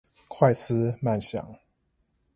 快思慢想